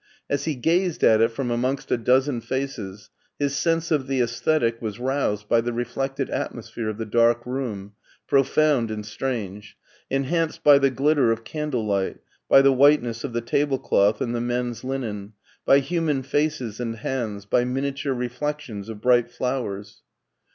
As he gazed at it from amongst a dozen faces his sense of the aesthetic was roused by the reflected atmosphere of the dark room, profound and strange, enhanced by the glitter of candle light, by the whiteness of the tablecloth and the men's linen, by human faces and hands, by miniature reflections of bright flowers.